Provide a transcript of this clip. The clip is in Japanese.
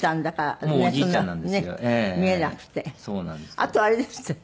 あとあれですってね。